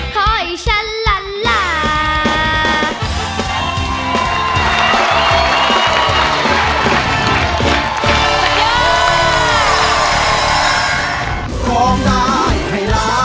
ขอให้ฉันลาล่า